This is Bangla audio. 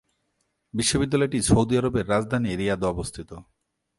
বিশ্ববিদ্যালয়টি সৌদি আরবের রাজধানী রিয়াদে অবস্থিত।